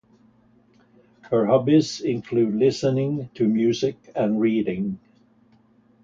Her hobbies include listening to music and reading.